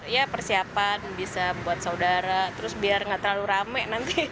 ya persiapan bisa buat saudara terus biar nggak terlalu rame nanti